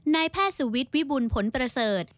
นายแพทย์สุวิทย์วิบุญผลประเสริฐ